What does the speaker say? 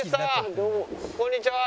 こんにちは。